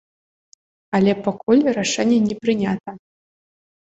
Але пакуль рашэнне не прынята.